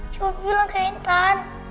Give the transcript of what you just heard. coba bilang ke intan